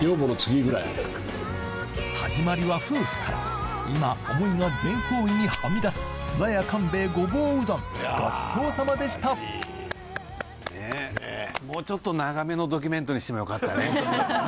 始まりは夫婦から今思いが全方位にはみ出す津田屋官兵衛ごぼううどんごちそうさまでしたもうちょっと長めのドキュメントにしてもよかったね。